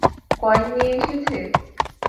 Coin নিয়ে এসেছে?